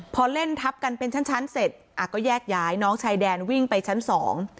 พอเล่นทับกันเป็นชั้นชั้นเสร็จอ่ะก็แยกย้ายน้องชายแดนวิ่งไปชั้นสอง